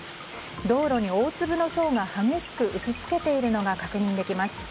道路に大粒のひょうが激しく打ち付けているのが分かります。